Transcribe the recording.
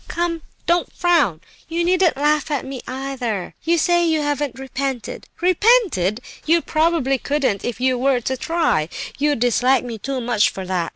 Come, don't frown; you needn't laugh at me, either. You say you haven't 'repented.' Repented! You probably couldn't, if you were to try; you dislike me too much for that.